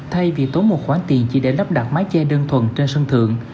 thay vì tốn một khoản tiền chỉ để lắp đặt mái che đơn thuần trên sân thượng